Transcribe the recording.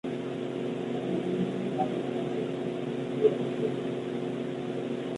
Buena música y baile se muestran en un video lleno de energía.